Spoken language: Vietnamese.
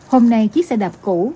hôm nay chiếc xe đạp cũ